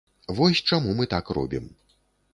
Вось чаму мы так робім.